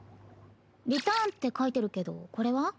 「リターン」って書いてるけどこれは？